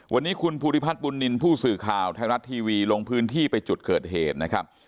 วันนี้คุณภูริพัฒน์บุญนินทร์ผู้สื่อข่าวไทยรัฐทีวีลงพื้นที่ไปจุดเกิดเหตุนะครับ